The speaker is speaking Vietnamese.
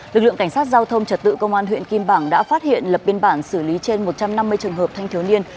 lực lượng cảnh sát giao thông trật tự công an huyện kim bảng đã phát hiện lập biên bản xử lý trên một trăm năm mươi trường hợp thanh thiếu niên